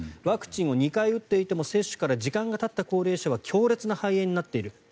ワクチンを２回打っていても接種から時間がたった高齢者は強烈な肺炎になっている。